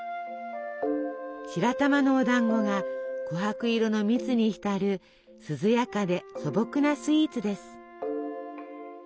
白玉のおだんごがこはく色の蜜に浸る涼やかで素朴なスイーツです。